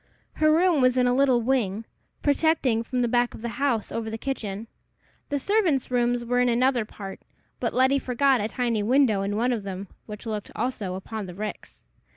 Her room was in a little wing, projecting from the back of the house, over the kitchen. The servants' rooms were in another part, but Letty forgot a tiny window in one of them, which looked also upon the ricks.